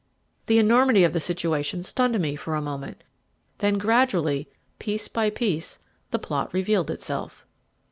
The enormity of the situation stunned me for a moment, then gradually, piece by piece, the plot revealed itself.